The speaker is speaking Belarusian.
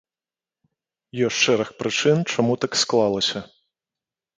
Ёсць шэраг прычын, чаму так склалася.